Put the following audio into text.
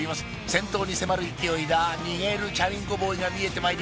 先頭に迫る勢いだ逃げるチャリンコボーイが見えてまいりました